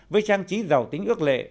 với trang trí giàu tính ước lệ